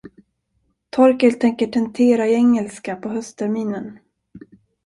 Torkel tänker tentera i engelska på höstterminen.